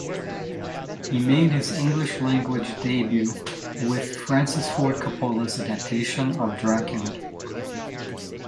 He made his English-language debut with Francis Ford Coppola's adaptation of "Dracula".